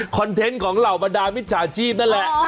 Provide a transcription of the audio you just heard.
คอนเทนต์ของเราบรรดามิตรสาชีพนั่นแหละ